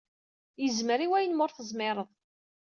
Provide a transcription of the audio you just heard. Yezmer i wayen m-ur tezmireḍ.